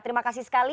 terima kasih sekali